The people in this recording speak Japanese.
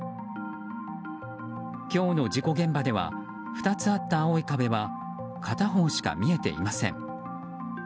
今日の事故現場では２つあった青い壁は片方しか見えていません。